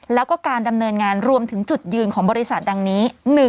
แล้วก็การดำเนินงานรวมถึงจุดยืนของบริษัทดังนี้